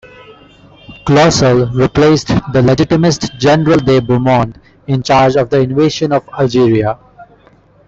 Clausel replaced the Legitimist General de Bourmont in charge of the invasion of Algeria.